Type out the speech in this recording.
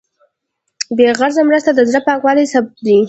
بېغرضه مرسته د زړه پاکوالي ثبوت دی.